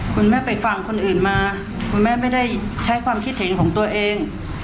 คุณแม่ไปฟังคนอื่นมาคุณแม่ไม่ได้ใช้ความคิดเห็นของตัวเอง